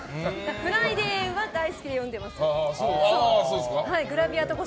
「フライデー」は大好きで読んでます。